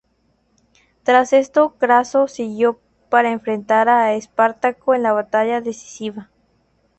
Tras esto Craso siguió para enfrentar a Espartaco en la batalla decisiva.